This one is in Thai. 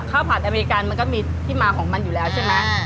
ผัดอเมริกันมันก็มีที่มาของมันอยู่แล้วใช่ไหม